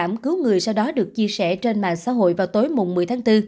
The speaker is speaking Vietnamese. đàn ông dũng cảm cứu người sau đó được chia sẻ trên mạng xã hội vào tối một mươi tháng bốn